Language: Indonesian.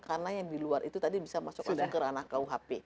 karena yang di luar itu tadi bisa masuk ke ranah kuhp